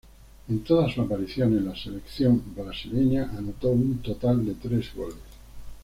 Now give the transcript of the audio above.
En todas sus apariciones en la selección brasileña anotó un total de tres goles.